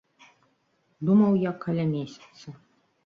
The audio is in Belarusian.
Думаў я каля месяца.